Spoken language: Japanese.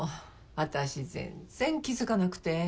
私全然気付かなくて。